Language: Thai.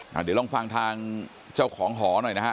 เดี๋ยวลองฟังทางเจ้าของหอหน่อยนะฮะ